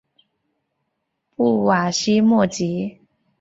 布瓦西莫吉。